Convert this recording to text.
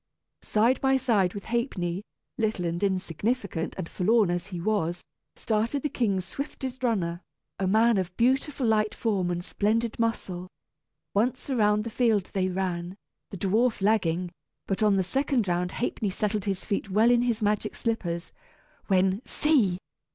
Side by side with Ha'penny, little and insignificant and forlorn as he was, started the king's swiftest runner, a man of beautiful light form and splendid muscle. Once around the field they ran, the dwarf lagging; but on the second round Ha'penny settled his feet well in his magic slippers, when, see!